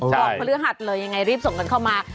วันพฤหัสเลยยังไงรีบส่งกันเข้ามา